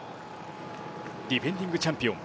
ディフェンディングチャンピオン